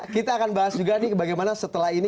kita akan bahas juga nih bagaimana setelah ini